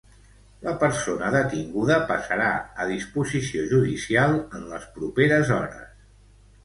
La persona detinguda passarà a disposició judicial en les properes hores.